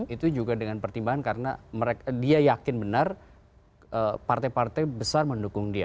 itu juga dengan pertimbangan karena dia yakin benar partai partai besar mendukung dia